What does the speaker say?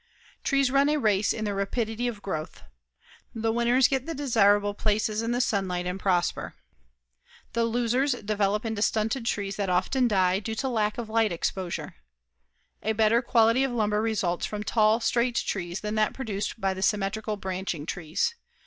Trees run a race in their rapidity of growth. The winners get the desirable places in the sunlight and prosper. The losers develop into stunted trees that often die, due to lack of light exposure. A better quality of lumber results from tall straight trees than that produced by the symmetrical, branching trees.